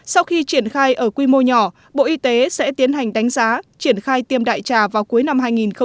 sau khi triển khai ở quy mô nhỏ bộ y tế sẽ tiến hành đánh giá triển khai tiêm đại trà vào cuối năm hai nghìn hai mươi